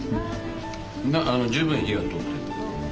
十分火が通ってる。